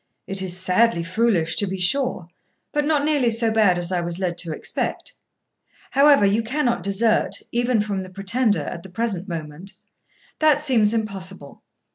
It is sadly foolish, to be sure, but not nearly so bad as I was led to expect. However, you cannot desert, even from the Pretender, at the present moment; that seems impossible.